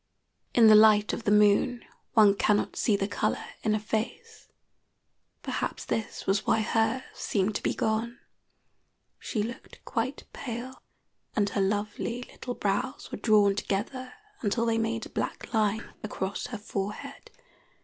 In the light of the moon one cannot see the color in a face. Perhaps this was why hers seemed to be gone. She looked quite pale, and her lovely little brows were drawn together until they made a black line across her forehead.